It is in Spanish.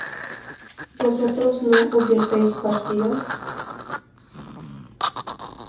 ¿vosotros no hubieseis partido?